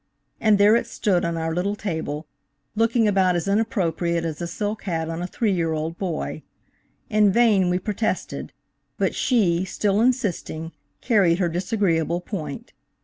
And there it stood on our little table, looking about as inappropriate as a silk hat on a three year old boy. In vain we protested, but she, still insisting, carried her disagreeable point.